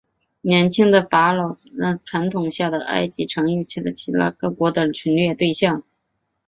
年轻的法老托勒密五世统治下的埃及成为其他希腊化各国的侵略对象。